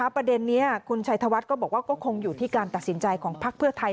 ประเด็นนี้คุณชัยธวัฒน์ก็บอกว่าก็คงอยู่ที่การตัดสินใจของพักเพื่อไทย